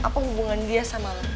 apa hubungan dia sama